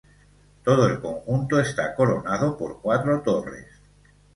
Todo el conjunto está coronado por cuatro torres.